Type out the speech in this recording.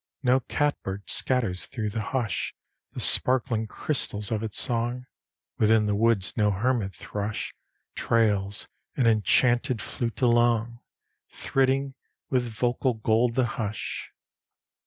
No catbird scatters through the hush The sparkling crystals of its song; Within the woods no hermit thrush Trails an enchanted flute along, Thridding with vocal gold the hush.